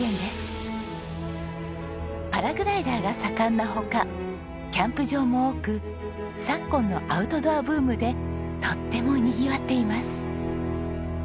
パラグライダーが盛んな他キャンプ場も多く昨今のアウトドアブームでとってもにぎわっています。